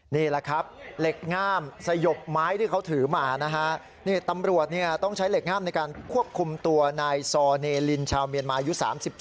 นี่แหละครับเหล็กง่ามสยบไม้ที่เขาถือมานะฮะนี่ตำรวจต้องใช้เหล็กงามในการควบคุมตัวนายซอเนลินชาวเมียนมายุ๓๒